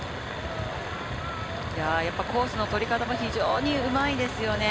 コースの取り方も非常にうまいですよね。